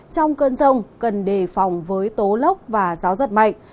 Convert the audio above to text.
trong cơn rông cần đề phòng với tố lốc và gió giật mạnh